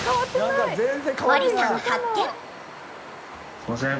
すいません。